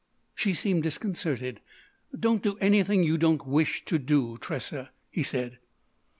She seemed disconcerted. "Don't do anything you don't wish to do, Tressa," he said.